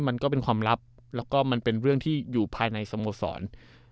มันก็เป็นความลับแล้วก็มันเป็นเรื่องที่อยู่ภายในสโมสร